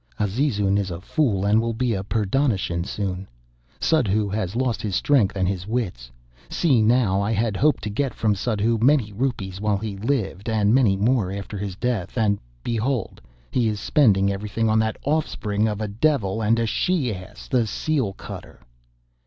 Azizun is a fool, and will be a pur dahnashin soon. Suddhoo has lost his strength and his wits. See now! I had hoped to get from Suddhoo many rupees while he lived, and many more after his death; and behold, he is spending everything on that offspring of a devil and a she ass, the seal cutter!"